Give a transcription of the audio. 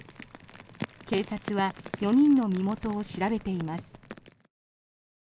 警察は４人の身元を調べています。